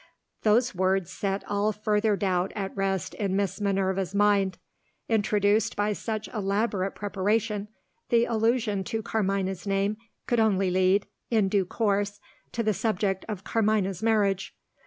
Those words set all further doubt at rest in Miss Minerva's mind. Introduced by such elaborate preparation, the allusion to Carmina's name could only lead, in due course, to the subject of Carmina's marriage.